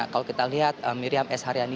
kalau kita lihat miriam s haryani